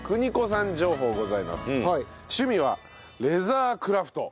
趣味はレザークラフト。